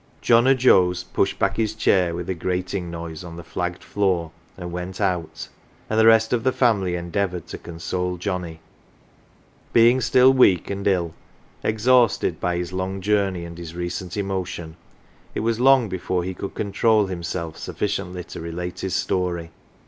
John o' Joe's pushed back his chair with a grating noise on the flagged floor, and went out ; and the rest of the family endeavoured to console Johnnie. Being still weak and ill, exhausted by his long journey and his recent emotion, it was long before he could control himself sufficiently to relate his story.